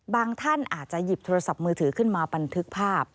ท่านอาจจะหยิบโทรศัพท์มือถือขึ้นมาบันทึกภาพ